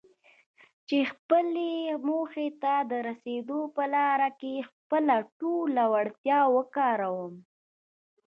چې خپلې موخې ته د رسېدو په لاره کې خپله ټوله وړتيا وکاروم.